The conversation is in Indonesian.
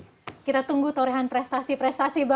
amin kita tunggu kita tunggu torehan prestasi prestasi bapak indonesia